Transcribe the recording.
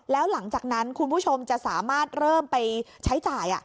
แล้วหลังจากนั้นคุณผู้ชมจะสามารถเริ่มไปใช้จ่าย